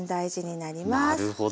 なるほど。